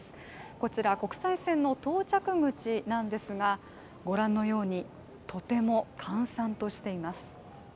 こちら国際線の到着口なんですが、ご覧のようにとても閑散としています。